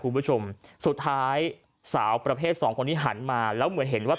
คุณผู้ชมสุดท้ายสาวประเภทสองคนนี้หันมาแล้วเหมือนเห็นว่า